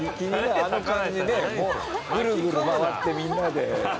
あの感じねぐるぐる回ってみんなで。